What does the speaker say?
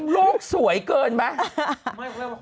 โลกสวยเกินไหม